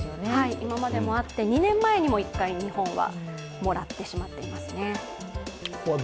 今までもあって、２年前にも一回日本はもらってしまっていますね。